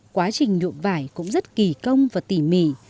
quá trình nhuộm vải cũng rất kỳ công và tỉ mỉ